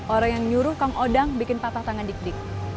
orang yang nyuruh kang odang bikin patah tangan dik dik